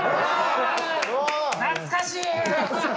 懐かしい！